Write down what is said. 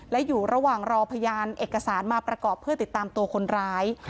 และอยู่ระหว่างรอพยานเอกสารมาประกอบเพื่อติดตามตัวคนร้าย